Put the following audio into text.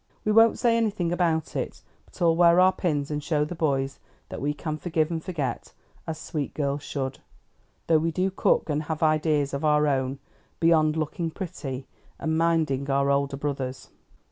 We won't say anything about it, but all wear our pins and show the boys that we can forgive and forget as "sweet girls" should, though we do cook and have ideas of our own beyond looking pretty and minding our older brothers."